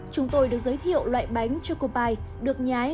trong này nó chỉ là hình nước thôi